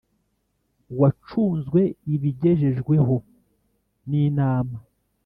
Wacunzwe ibigejejweho n inama